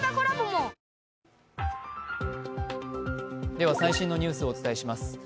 では最新のニュースをお伝えします。